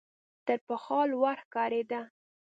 تر پخوا لوړ ښکارېده .